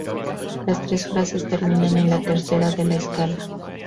Las tres frases terminan en la tercera de la escala.